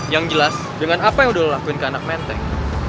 yang jelas dengan apa yang udah lakuin ke anak menteng